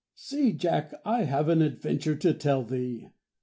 See, Jack, I have an adventure to tell thee!